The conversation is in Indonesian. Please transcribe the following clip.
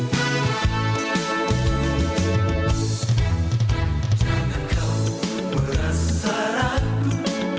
jangan kau merasa ragu